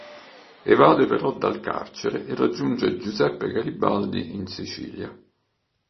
Evade però dal carcere e raggiunge Giuseppe Garibaldi in Sicilia.